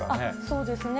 そうですね。